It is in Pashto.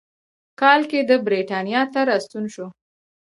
کال کې د برېټانیا ته راستون شو.